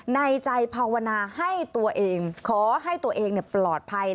ในใจภาวนาให้ตัวเองขอให้ตัวเองปลอดภัย